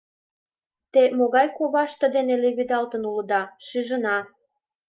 Те могай коваште дене леведалтын улыда — шижына.